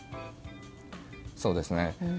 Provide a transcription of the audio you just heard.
そうですね。